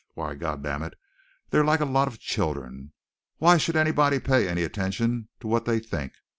Why, God damn it, they're like a lot of children. Why should anybody pay any attention to what they think?